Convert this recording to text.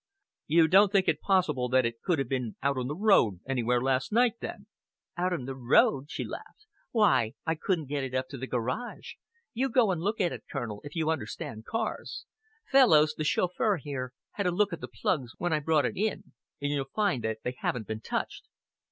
"You don't think it possible that it could have been out on the road anywhere last night, then?" "Out on the road!" she laughed. "Why, I couldn't get it up to the garage! You go and look at it, Colonel, if you understand cars. Fellowes, the chauffeur here, had a look at the plugs when I brought it in, and you'll find that they haven't been touched."